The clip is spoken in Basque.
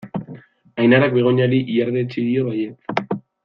Ainarak Begoñari ihardetsi dio baietz.